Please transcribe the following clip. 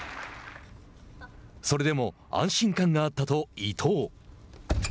それでも安心感があったと伊藤。